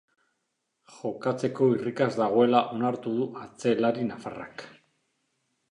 Jokatzeko irrikaz dagoela onartu du atzelari nafarrak.